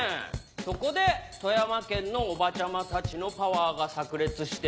そこで富山県のおばちゃまたちのパワーが炸裂して。